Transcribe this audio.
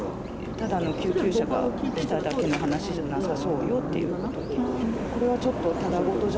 ただの救急車が来ただけの話じゃなさそうよってことで。